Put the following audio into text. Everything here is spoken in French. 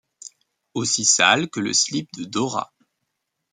Aussi sale que le slip de Dora.